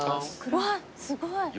わっすごい。